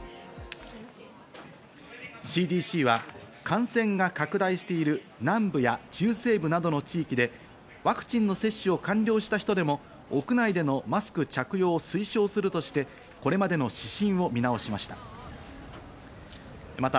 ＣＤＣは感染が拡大している南部や中西部などの地域でワクチンの接種を完了した人でも屋内でのマスク着用を推奨するとして、これまでの指針を見直しました。